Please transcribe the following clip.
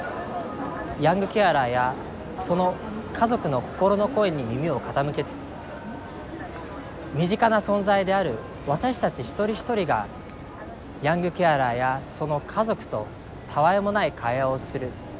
ヤングケアラーやその家族の心の声に耳を傾けつつ身近な存在である私たち一人一人がヤングケアラーやその家族とたわいもない会話をする。